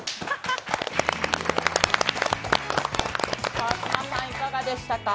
川島さん、いかがでしたか？